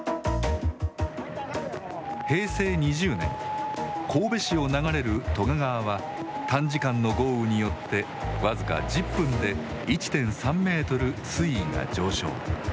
平成２０年、神戸市を流れる都賀川は短時間の豪雨によって僅か１０分で１．３メートル水位が上昇。